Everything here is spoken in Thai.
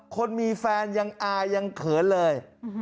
คนมีแฟนยังอายยังเขินเลย